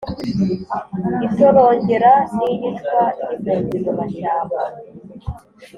itorongera n' iyicwa ry' impunzi mu mashyamba